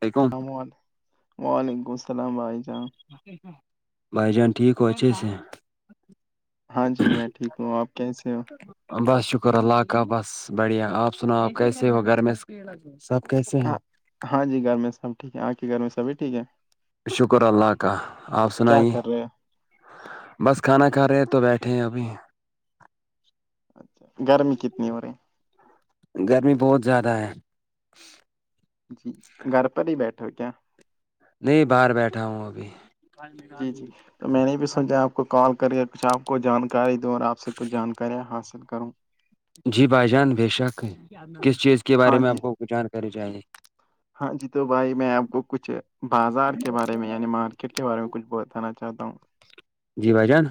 become السلام وعلیکم السلام بھائی جان بھائی جان ٹھیک ہوچے سے ہاں جی میں ٹھیک ہوں آپ کیسے ہو بس شکر اللہ کاا بس بڑھیا آپ سناو آپ کیسے ہو گھر میں سب کیسے ہیں ہاں ہاں جی گھر میں سب ٹھیک ہے آپ کے گھر میں سبھی ٹھیک ہے شکر اللہ کا آپ کیا سنائیے کر رہے ہیں بس کھانا کھا رہے ہیں تو بیٹھے ہیں ابھی اچھا گرمی کتنی ہو رہی ہے گرمی بہت زیادہ ہے جی گھر پر ہی بیٹھے ہو کیا نہیں باہر بیٹھا ہوں ابھی جی جی تو میں نے بھی سوچا آپ کو کال کر کچھ آپ کو جان شکاری دور آپ سے کچھ جانکاریاں حاصل کروں جی بھائی جان بے شک کس چیز کے بارے ہاں میں جی آپ کو ک جانکاری چاہیے ہاں جی تو بھائی میں آپ کو کچھ بازار کے بارے میں یعنی مارک ک کے بارے میں کچھ بتانا چاہتا ہوں جی بھ جان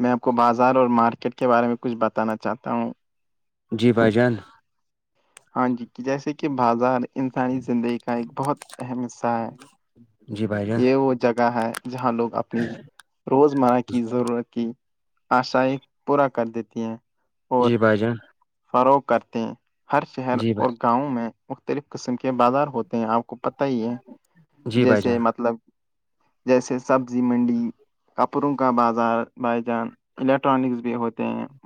میں آپ کو بازار اور مارکیٹ کے بارے میں کچھ بتانا چاہتا ہوں جی بھائی جان ہاں جی جیسے کہ بازار انسانی زندگی کا ایک بہت اہم حصہ ہے جی بھائی جان یہ وہ جگہ ہے جہاں لوگ اپنی روزمرہ کی ضرورت کی آشائ پورا کر دیتی ہیں اور جی بھائی جان فروغ کرتے ہیں ہر شہر جی اور بھائی گاؤں میں مختلف قسم کے بازار ہوتے ہیں آپ کو پت ہی ہے جی بھائی جیسے جان مطلب جیسے سبزی منڈی کپڑوں کا بازار بائی جان الیکٹرانکس بھی ہوتے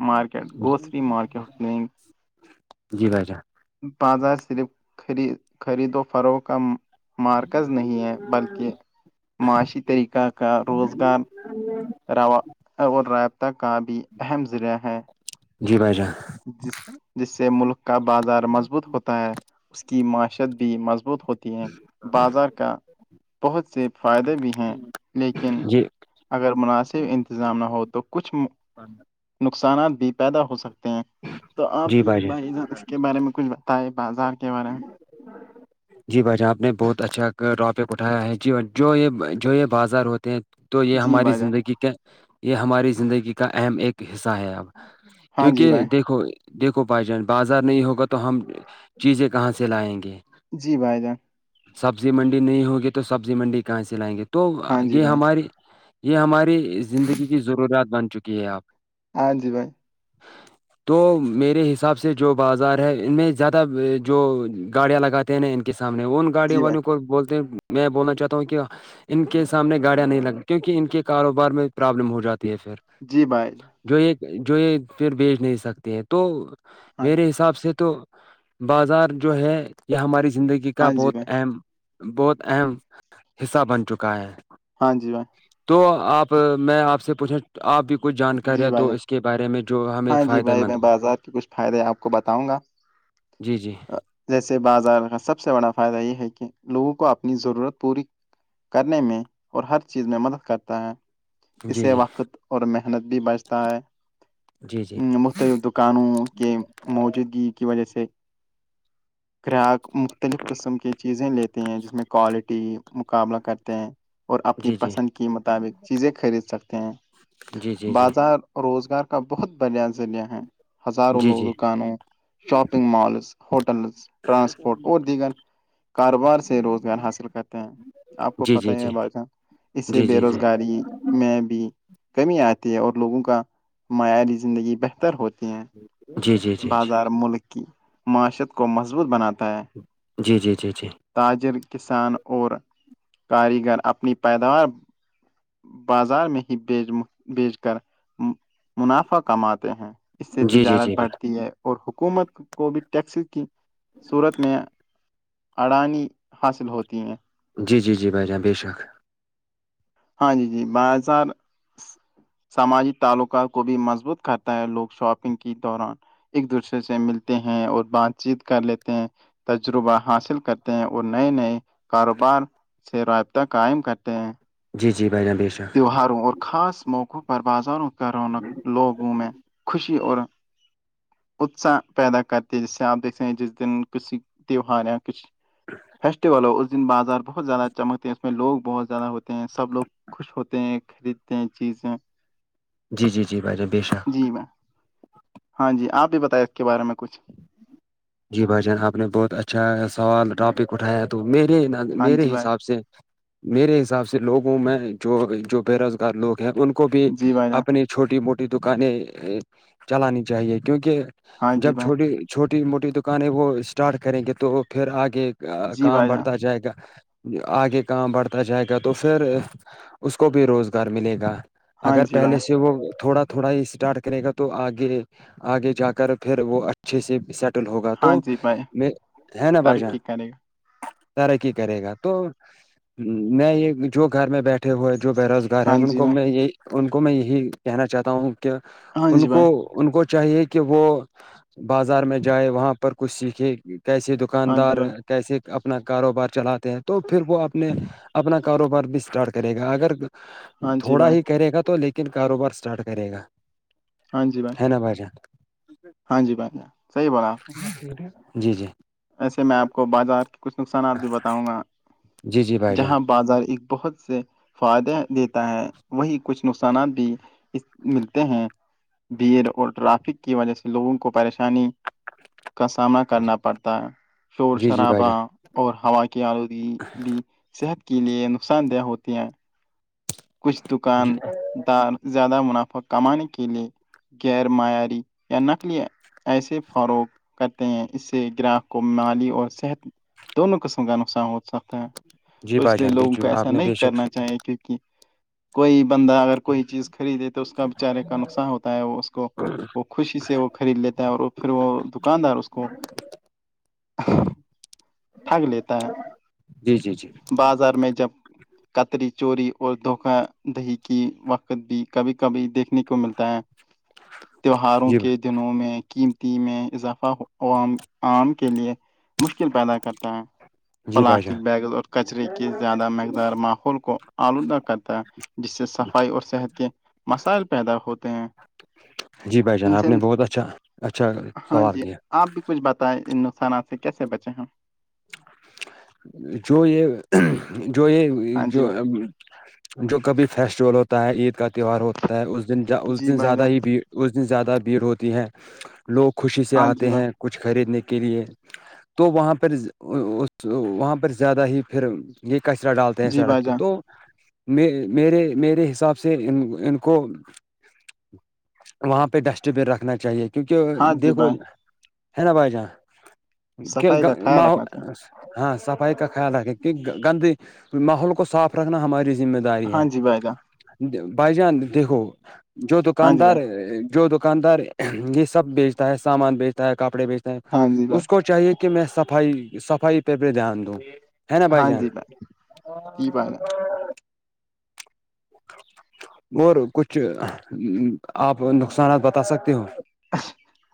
مارکیٹ گوسری مارکیٹ ہیں جی ب جا بازار صرپ خریدو فروغ کا مارکز نہیں ہے بلکہ معاشی طریقہ کا روزگار ہ [inaudible] رو اور رابطہ کا بھی اہم ذریعہ ہے جی بھائی جان جس جس سے ملک کا بازار مضبوط ہوتا ہے اس کی معشت بھی مضبوط ہوتی ہے بازار کا بہت سے فائدے بھی ہیں لیکن جی اگر مناسب انتظام نہ ہو تو کچھ نقصانات بھی پیدا ہو سکتے تو آپ بھی بھائی جان اس کے بارے میں کچھ بتائے بازار کے بارے میں [inaudible] جی بھائی جان آپ نے بہت اچھا روپے اٹھایا ہے جی بھ جو یہ جو یہ بازار ہوتے ہیں تو یہ جی ہماری بھائی جان زندگی کے یہ ہماری زندگی کا اہم ایک حصہ ہے اب ہاں جی کیونکہ بھائی دیکھو دیکھو بائی جان بازار نہیں ہوگا تو ہم چیزیں کہاں سے لائیں گے جی بھائی جان سبزی منڈی نہیں ہوگی تو سبزی منڈی کہاں سے لائیں گے تو ہاں جی یہ بھائی ہماریے یہ ہماری زندگی کی ضروریات بن چکی ہے آپ ہاں جی بھائی تو میرے حساب سے جو بازار ہے ان میں زیادہ جو گاڑیاں لگاتے ہیں نا ان کے سامنے ان گاڑیوں جی بھائی والیوں کو بولتے میں بولنا چاہتا ہوں کہ ان کے سامنے گاڑیاں نہیں لگ کیونکہ ان کے کاروبار میں پرابلم ہو جاتی ہے پھر جی بھائی جو یہ جو یہ پھر بھیچ نہیں سکتے ہیں تو ہاں میرے حساب سے تو بازار جو ہے یہ ہماری زندگی کا ہاں جی بہت بھائی اہم بہت اہم حصہ بن چکا ہے ہاں جی میں تو آپ میں آپ سے پوچھا تو آپ بھی کچھ جی جانکاریاں بھائی تو اس کے بارے میں جو ہمیں فائدے مند ہو بازارچ فائدے آپ کو بتاؤں گا جی جی اہ، جیسے بازار کا سب سے بڑا فائدہ یہ ہے کہ لوگوں کو اپنی ضرورت پوری کرنے میں اور ہر چیز میں مدد کرتا ہے جی اسے جی وقت اور مح بھی بچتا ہے جی جی مختلف دکانوں کے موجودگی کی وجہ سے گرک مختلف قسم کی چیزیں لیتے ہیں جس میں کوالٹی مقابلہ کرتے ہیں اور اپنی جی جی پسند کے مطابق چیزیں خرید سکتے ہیں جی جی جی بازار روزگار کا بہت بڑیا ذریعہ ہے ہزاروں جی لوگ جی دکانوں شاپنگ مالز ہوٹلز ٹرانسپورٹ اور دیگر کاروبار سے روزگار حاصل کرتے ہیں آپ کو جی پتہ جی ہی ہے جی بادشاہ اس سے جی بے جی جی روزگاری میں بھی کمی آتی ہے اور لوگوں کا معیاری زندگی بہتر ہوتی ہے جی جی جی جی بازار ملک کی معیشت کو مضبوط بناتا ہے جی جی جی جی تاجر کسان اور کاریگر اپنی پیداوار بازار میں ہی بیچ بیچ کر منافع کماتے ہیں اس سے تجارت جی بڑھتی ہے اور حکومت کو بھی ٹیکس کی صورت میں اڑانی حاصل ہوتی ہیں جی جی جی بھائی جاناں بے شک ہاں جی جی بازار سماجی تعلقات کو بھی مضبوط کرتا ہے لوگ شاپنگ کی دوران ایک دوسرے سے ملتے ہیں اور بات چیت کر لیتے ہیں تجربہ حاصل کرتے ہیں اور نئے نئے کاروبار س رواابطہ قئم کٹتے ہیں جی جی بائی جان بھیش ہیں تیواروں اور خاص موقعوں پر بازاروں کا رونق لوگوں میں خوشی اور اتساہ پیدا کرتی ہے جیسے آپ دیکھتے ہیں جس دن کچسی تیوار یا کچھ فیسٹیول ہو اس دن بازار بہت زیادہ چمکتے ہیں اس میں لوگ بہت زیادہ ہوتے ہیں سب لوگ خوش ہوتے ہیں خریدتے ہیں چیزیں جی جی جی بھائی جان بے شک جی میںیم ہاں جی آپ بھی بتائے اس کے بارے میں کچھ جی بھائی جان آپ نے بہت اچھا سوال ٹاپک اٹھایا ہے تو میرے ہاں جی میرے بھائی حساب سے میرے حساب سے لوگوں میں جو جو بے روزگار لوگ ہیں ان کو بھی جی بھائی جان اپنے چھوٹی موٹی دکانیں چلانی چاہیے کیونکہ ہاں جی جب بھائی چھوٹی چھوٹی موٹی دکانیں وہ اسٹارٹ کریں گے تو پھر آگے جی کام بھائی جان بڑھتا جائے گا آگے کام بڑھتا جائے گا تو پھر اس کو بھی روزگار ملے گا ہاں اگر جی پہلے بھائی سے وہ تھوڑا تھوڑا ہی اسٹارٹ کرے گا تو آگے آگے جا کر پھر وہ اچھے سے سیٹ ل ہوگا ہاں تو جی بھائی میں ہے نا بھائی جان ترقی کرے گا ترقی کرے گا تو میں یہ جو گھر میں بیٹھے ہوئے جو بے روزگ گ ہے ہاں ان جی کو میں بھائی یہ ان کو میں یہی کہنا چاہتا ہوں کہ ہاں ان جی کو بھائی ان کو چاہیے کہ وہ بازار میں جائے وہاں پر کچھ سیکھے کیسے د ہاں جی دکاندار بھائی کیسے اپنا کاروبار چلاتے ہیں تو پھر وہ اپنے اپنا کاروبار بھی اسٹارٹ کرے گا اگر ہاں جی تھوڑا بھائی ہی کرے گا تو لیکن کاروبار اسٹارٹ کرے گا ہاں جی بھائی ہےینا باجا ہاں جی بھائی جاں صحی بو رہا آپ نے جی جی ایسے میں آپ کو بازار کے کچھ نقصانات بھی بتاؤں گا جی جی بھائی جان جہاں بازار ایک بہت سے فائدے دیتا ہے وہی کچھ نقصانات بھی ملتے ہیں بییر اور ٹریفک کی وجہ سے لوگوں کو پریشانی کا سامنا جی کرنا پڑتا ہے شور جی جی بھائی شرابہ جان اور ہوا کی آلودی بھی صحت کے لیے نقصان دہ ہوتے ہیں کچھ جی دکاندار زیادہ منافع کمانے کے لیے گغیر معیاری یا نکلی ہے ایسے فروغ کرتے ہیں اس سے گراہک کو مالی اور صحت دونوں قسم کا نقصان ہو سکتا ہے جی تو اس بھائی لیے جان بے لوگوں کو چک ایسا آپ نے نہیں بے شک کرنا سے چاہیے کیکہ کوئی بندہ اگر کوئی چیز خریدے تو اس کا بچارے کا نقصان ہوتا ہوتا وہ اس کو وہ خوشی سے وہ خرید لیتا ہے اور وہ پھر وہ دکاندار اس کو ہ ٹھگ لیتا جی جی جی ہے بازار میں جب کتری چوری اور دھوکہ دہی کی وقت بھی کبھی کبھی دیکھنے کو ملتا ہے تیوہاروں جی کے دنوں میں قیمتی میں اضافہ ہو عام عام کے لیے مشکل پیدا کرتا ہے جی بھائی پلاسٹک جان بیگ اور کچرے کے زیادہ مقدار ماحول کو آلودہ کرتا ہے جس سے صفائی اور صحت کے مسائل پیدا ہوتے ہیں جی بھائی جان ان سے آپ نے بہت اچھا اچھا ہاں سوال جی کیا آپ بھی کچھ بتائیں ان نقصانات سے کیسے بچے ہیں جو یہ جو یہ ہاں جی جو بھائی جو کبھی فیسٹیول ہوتا ہے عید کا تہوار ہوتا ہے اس دن اس جی دن بھائی زیادہ جان ہی بھی اس دن زیادہ بھیڑ ہوتی ہے لوگ خوشی سے ہاں جی آتے ہیں بھائی کچھ خریدنے کے لیے تو وہاں پر اس وہاں پر زیادہ ہی پھر یہ کچرا ڈالتے ہیں جی بھائی سڑک پہ جان تو میں میرے میرے حساب سے ان ان کو وہاں پہ ڈسٹ بین رکھنا چاہیے کیونکہ ہاں جی دیکھو بھائی ہے نا بھائی جان کہ صفائی کا خیال رکھنا ماحول چاہیے ہاں صفائی کا خیال رکھیں کی گندے ماحول کو صاف رکھنا ہماری ذمہ داری ہاں جی بھائی جان ہے بھائی جان دیکھو جو ہاں جی دکاندار بھائی جو دکاندار یہ سب بیچتا ہے سامان بیچتا ہے کپڑے بیچتا ہاں جی بھائی اس کو چاہیے کہ میں صفائی صفائی پہ بھی دھیان دوں ہے نا بھائی ہاں جان جی جی بھائی جان [inaudible] اور کچھ آپ نقصانات بتا سکتے ہو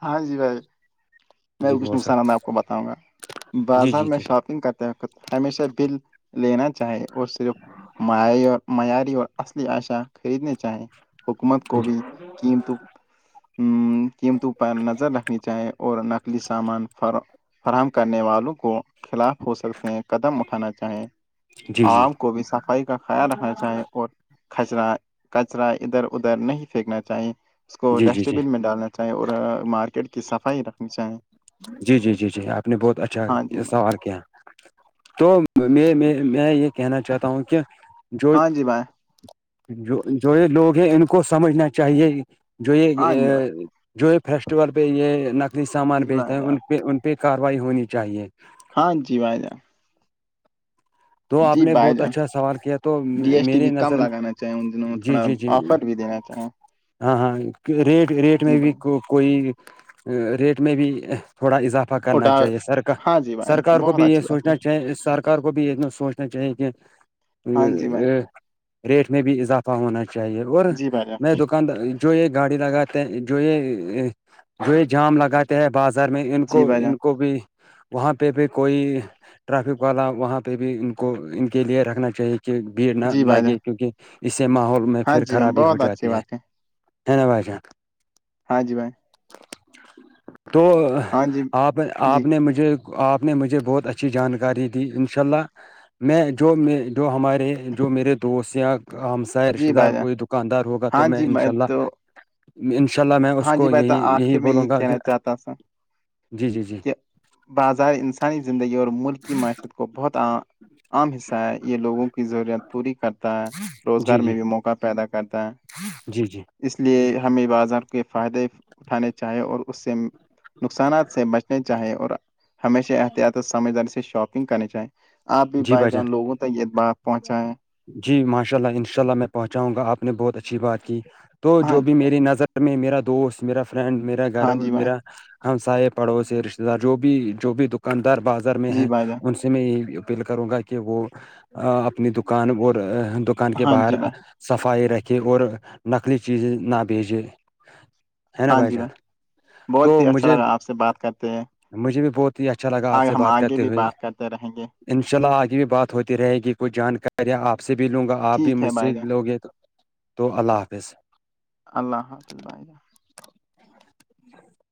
ہاں جی بھائی میں جی کچھ بہت سکتے نقصانات آپ کو بتاؤں گا جی بازار جی میں جی شاپنگ کر ہمیشہ بل لینا چاہیے وہ صرف معی معیاری اور اصلی عشا خریدنے چاہیں حکومت کو بھی قیمتوں قیمتوں پر نظر رکھنی چاہیں اور نق لی سامان فراہم کرنے والوں کے خلاف ہو سکتا ہیں قدم اٹھانا چاہیں جی جی جی آم کو بھی سف صفائی کا خیال رکھنا چاہیں اور کچرا کچرا ادھر ادھر نہیں پھینکنا چاہیں اس کو جی جی ڈسٹ بن میں ڈالنا چاہیں اور مارکیٹ کی صفائی رکھنی چاہیے جی جی جی جی آپ نے بہت اچھا ہاں جی بھائی سوال کیا تو میں میں یہ کہنا چاہتا ہوں کہ جو ہاں جی بھائی جو جو یہ لوگ ہیں ان کو سمجھنا چاہیے جو ہاں جی یہ بھائی جو یہ فیسٹیول پہ یہ نقلی سامان جی بیچ بھائی جان ان پہ کاروائی ہونی چاہیے ہاں جی بھائی جان تو آپ جی نے بھائی بہت جان اچھا سوال کیا تو ڈی ایس ٹی میرے بھی کم نظر لگانا چاہیں ان دنوں میں جی تھوڑا جی جی آفر بھی دینا ہاں ہاں ہاں ریٹ ریٹ میں بھی کو کوئی ریٹ میں بھی تھوڑا اضافہ کرنا اٹا چاہیے سرک ہاں جی بھائی سرک کو بہت بھی یہ اچھی بات ہے سوچنا چاہیے سرار کو بھی چاہے کہ ہاں جی بھائی ریٹ میں بھی اضافہ ہونا چاہیے اور جی بھائی جان میں دکاندار جو یہ گاڑی لگاتے جو یہ جو یہ جام لگاتے ہیں بازار میں ان جی کو بھائی جان ان کو بھی وہاں پہ بھی کوئی ٹرافک والا وہاں پہ بھی ان کو ان کے لیے رکھنا چاہیے کہ بھیڑ نہ جی بھائی جان لگے کیونکہ اس سے ماحول میں ہاں پھر جی میم خرابی ہو بہت اچھی جاتی ہے بات ہیں نہ بھائی جان ہاں جی بھائی تو ہاں جی آپ آپ جی نے مجھے آپ نے مجھے بہت اچھی جانکاری دی ان شاء اللہ میں جو میں جو ہمارے جو میرے دوست یا ہم سا جی رشتے دار بھائی جان کوئی دکاندار ہوگا تو ہاں میں جی انشاء اللہ تو انشاء اللہ میں اس ہاں جی کو بھائی تو یہی یہی آخر میں بولوں گا کہ کہنا چاہتا تھا جی جی جی کہ بازار انسانی زندگی اور ملک کی معیشت کو بہتع عام حصہ ہے یہ لوگوں کی ضرورت پوری کرتا ہے جی روزگار میں جی بھی موقع پیدا کرتا ہے جی جی اس لیے ہمیں بازار کے فائدے اٹھانے چاہیے اور اس سے نقصانات سے بچ چاہیں اور ہمیشہ احتیاط اور سمجھداری سے شاپنگ کرنی چاہیں آپ بھی بھائی جان لوگوں تک یہ ب پہنچائے جی ماشاء اللہ انشاء اللہ میں پہنچاؤں گا آپ نے بہت اچھی بات کی تو ہاں جو بھی جی بھائی میری نظر میں میرا دوست میرا فرینڈ میرا ہاں گھر جی بھائی میرا ہمسائے پڑوس رشتے دار جو بھی جو بھی دکاندار بازار میں جی ہیں بھائی جان ان سے میں اپیل کروں گا کہ وہ اپنی دکان اور دکان کے ہاں باہر جی بھائی صفائی رکھے اور نقلی چیزیں نہ بھیجے ہے نا ہاں بھائی جی جان بھائی بہت تو ہی اچھا مجھے لگا آپ سے بات کرتے ہیں مجھے بھی بہت ہی اچھا لگا آ آپ سے ہم بات آگے کرتے بھی ہوئے بات کرتے رہیں گے انشاء اللہ آگے بھی بات ہوتی رہے گی کوئی جانکاریاں آپ سے بھی لوں گا آپ بھی ٹھیک مج ہے سے بھائی جان لو گے تو تو اللہ حافظ اللہ حافظ بائی [inaudible]